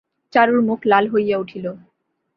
চারুর মুখ লাল হইয়া উঠিল।